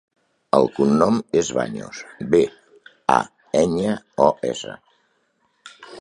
El cognom és Baños: be, a, enya, o, essa.